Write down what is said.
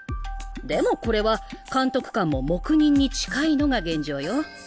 でもこれは監督官も黙認に近いのが現状よ。